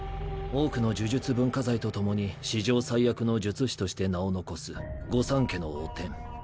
多くの呪術文化財と共に史上最悪の術師として名を残す御三家の汚点